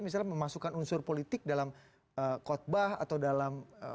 misalnya memasukkan unsur politik dalam kotbah atau dalam